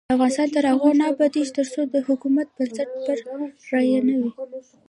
افغانستان تر هغو نه ابادیږي، ترڅو د حکومت بنسټ پر رایه نه وي.